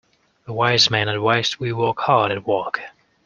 The wise man advised we work hard at work.